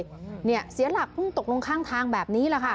ในกระพังยับเยินเลยเนี่ยเสียหลักเพิ่งตกลงข้างทางแบบนี้แหละค่ะ